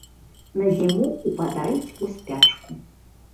На зіму ўпадаюць у спячку.